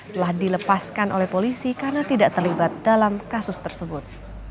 telah dilepaskan oleh polisi karena tidak terlibat dalam kasus tersebut